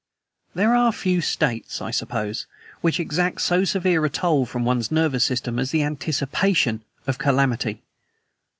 There are few states, I suppose, which exact so severe a toll from one's nervous system as the ANTICIPATION of calamity.